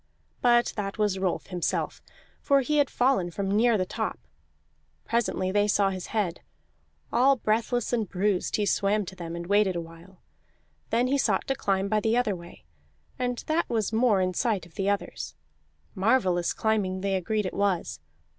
But that was Rolf himself, for he had fallen from near the top; presently they saw his head. All breathless and bruised, he swam to them and waited a while; then he sought to climb by the other way, and that was more in sight of the others; marvellous climbing they agreed it was.